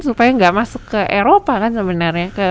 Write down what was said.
supaya nggak masuk ke eropa kan sebenarnya